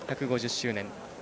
１５０周年。